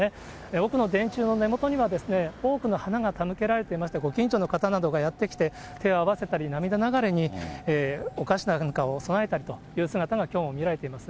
奥の電柱の根元には多くの花が手向けられていまして、ご近所の方などがやって来て手を合わせたり、涙ながらにお菓子なんかを供えたりという姿がきょうも見られています。